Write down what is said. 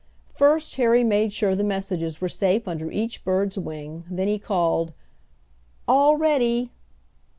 First Harry made sure the messages were safe under each bird's wing, then he called: "All ready!"